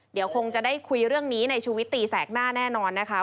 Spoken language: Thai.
เดี๋ยวคงจะได้คุยเรื่องนี้ในชูวิตตีแสกหน้าแน่นอนนะคะ